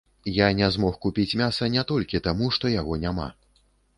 Я не змог купіць мяса не толькі таму, што яго няма.